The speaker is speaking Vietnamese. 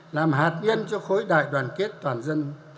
làm hạt nhân cho khối đại đoàn kết toàn dân